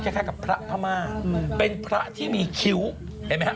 คล้ายกับพระพม่าเป็นพระที่มีคิ้วเห็นไหมฮะ